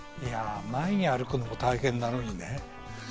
前に歩くことも大変なのにね。